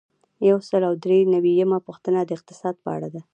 یو سل او درې نوي یمه پوښتنه د اقتصاد په اړه ده.